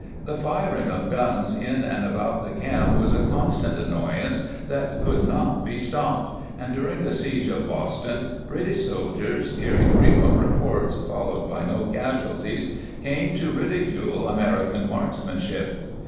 ^ The firing of guns in and about the camp was a constant annoyance that could not be stopped, and during the siege of Boston, British soldiers, hearing frequent reports followed by no casualties, came to ridicule American marksmanship.